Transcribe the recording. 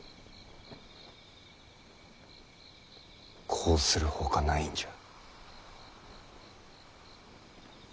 こうするほかないんじゃ。